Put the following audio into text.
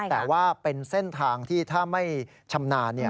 แต่ว่าเป็นเส้นทางที่ถ้าไม่ชำนาญ